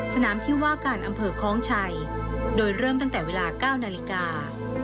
ที่ว่าการอำเภอคล้องชัยโดยเริ่มตั้งแต่เวลา๙นาฬิกา